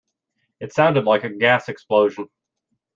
It sounded like a gas explosion.